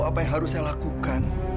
apa yang harus saya lakukan